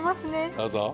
どうぞ。